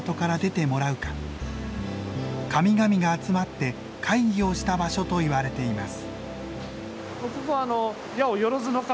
神々が集まって会議をした場所といわれています。